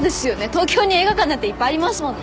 東京に映画館なんていっぱいありますもんね。